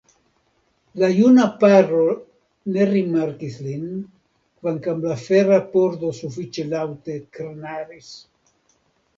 La juna paro ne rimarkis lin, kvankam la fera pordo sufiĉe laŭte knaris.